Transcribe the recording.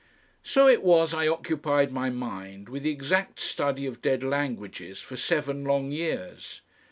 So it was I occupied my mind with the exact study of dead languages for seven long years.